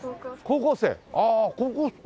高校生。